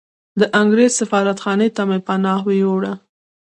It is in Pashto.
د انګریز سفارتخانې ته مې پناه یووړه.